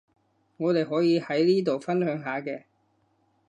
我哋可以喺呢度分享下嘅